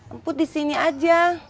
emput di sini aja